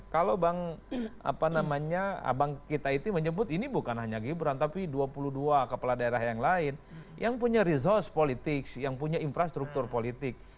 kalau bang apa namanya abang kita itu menyebut ini bukan hanya gibran tapi dua puluh dua kepala daerah yang lain yang punya resource politik yang punya infrastruktur politik